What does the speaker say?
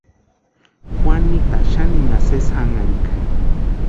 Juanita xaninha sesi janharhika.